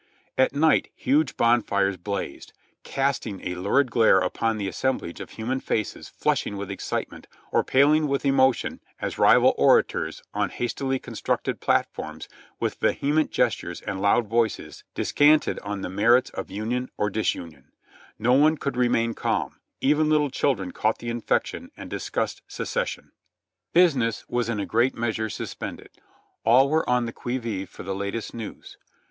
At night huge bon fires blazed, casting a lurid glare upon the assemblage of human faces flushing with excitement or paling with emotion as rival orators, on hastily constructed platforms, with vehement gestures and loud voices, descanted on the merits of union or disunion, Xo one could remain calm, even little children caught the infection and discussed "Secession." Business was in a great measure suspended, all were on the qui vive for the latest news.